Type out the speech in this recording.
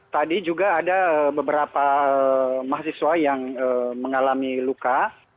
tadi juga ada beberapa mahasiswa yang mengalami luka